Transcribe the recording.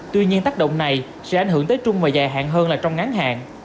tuy nhiên tác động này sẽ ảnh hưởng tới trung và dài hạn hơn là trong ngắn hạn